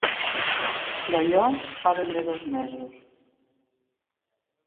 D'allò fa ben bé dos mesos.